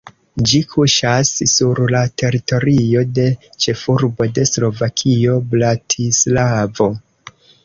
Ĝi kuŝas sur la teritorio de ĉefurbo de Slovakio Bratislavo.